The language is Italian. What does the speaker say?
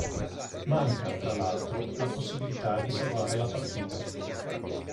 Manca tra l'altro la possibilità di salvare la partita.